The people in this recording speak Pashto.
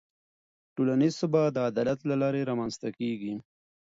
ټولنیز ثبات د عدالت له لارې رامنځته کېږي.